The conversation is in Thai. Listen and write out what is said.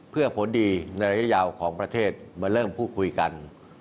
เพื่อผลดีในระยะยาวของประเทศมาเริ่มพูดคุยกัน